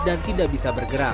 dan tidak bisa berjalan